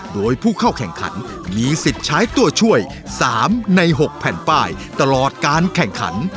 โดยผู้เข้าแข่งขันมีสิทธิ์ใช้ตัวช่วย๓ใน๖แผ่นป้ายตลอดการแข่งขัน